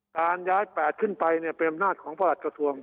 การย้ายแปดขึ้นไปเนี่ยเป็นอำนาจของพระอาจกระทรวงศ์